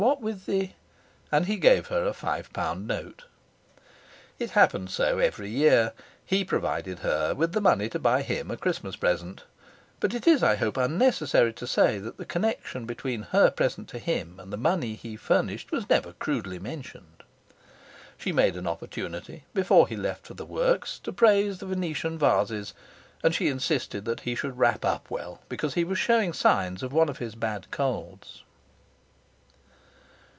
What with the ' And he gave her a five pound note. It happened so every year. He provided her with the money to buy him a Christmas present. But it is, I hope, unnecessary to say that the connection between her present to him and the money he furnished was never crudely mentioned. She made an opportunity, before he left for the works, to praise the Venetian vases, and she insisted that he should wrap up well, because he was showing signs of one of his bad colds.